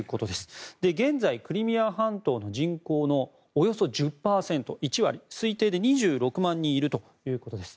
現在、クリミア半島の人口のおよそ１０％、１割推定で２６万人いるということです。